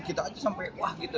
kita aja sampai wah gitu